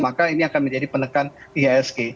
maka ini akan menjadi penekan ihsg